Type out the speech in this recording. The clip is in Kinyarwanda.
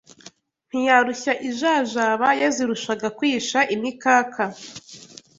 Ntiyarushya ijajaba yazirushaga kwisha imikaka